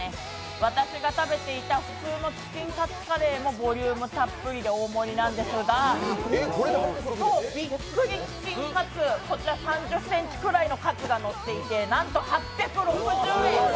私が食べていた普通のチキンカツカレーもボリュームたっぷりで大盛りなんですが、ビックリチキンカツ、３０ｃｍくらいのカツがのっていてなんと８６０円！